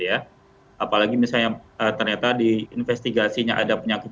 apalagi misalnya ternyata di investigasinya ada penyakit